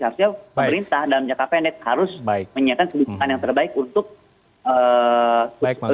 harusnya pemerintah dalam jangka pendek harus menyiapkan kebutuhan yang terbaik untuk pengadaan kereta ini